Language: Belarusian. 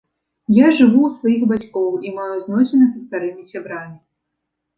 Я жыву ў сваіх бацькоў і маю зносіны са старымі сябрамі.